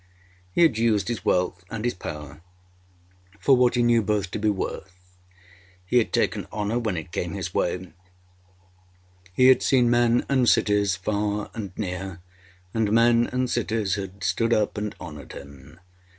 He had used his wealth and his power for what he knew both to be worth; he had taken honour when it came his way; he had seen men and cities far and near, and men and cities had stood up and honoured him.